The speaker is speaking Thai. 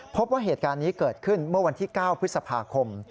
พบว่าเหตุการณ์นี้เกิดขึ้นเมื่อวันที่๙พฤษภาคม